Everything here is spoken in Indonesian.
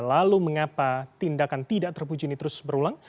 lalu mengapa tindakan tidak terpuji ini terus berulang